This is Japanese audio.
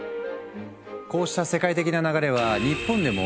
こうした世界的な流れは日本でも起きていて。